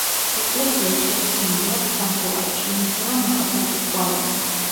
ეკლესიას შერჩენილი აქვს სახურავი, შეიმჩნევა მოხატულობის კვალიც.